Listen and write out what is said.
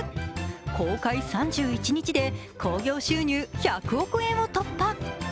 公開３１日で、興行収入１００億円を突破。